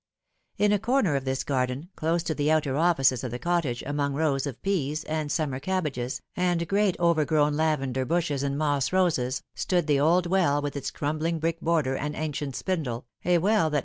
In a corner of this garden, close to the outer offices of the cottage, among rows of peas, and summet 'abbages, and great overgrown lavender bushes and moss roses, s>^od the old wellj with its crumbling brick border and ancient spindle, a well that.